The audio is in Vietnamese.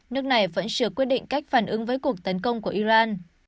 nước này vẫn chưa quyết định cách phản ứng với cuộc tấn công của iran